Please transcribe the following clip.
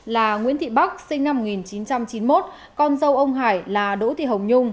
là nguyễn thị bắc sinh năm một nghìn chín trăm chín mươi một con dâu ông hải là đỗ thị hồng nhung